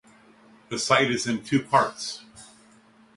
The site is in two parts.